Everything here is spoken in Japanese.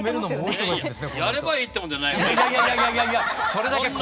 そんなやればいいってもんじゃないだろう